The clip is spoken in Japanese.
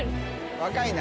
若いな。